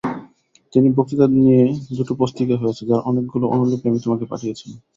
তিনটি বক্তৃতা নিয়ে দুটি পুস্তিকা হয়েছে, যার অনেকগুলির অনুলিপি আমি তোমাকে পাঠিয়েছিলাম।